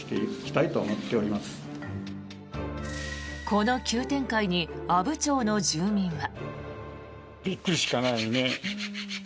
この急展開に阿武町の住民は。